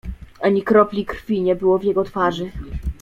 "Ani kropli krwi nie było w jego twarzy."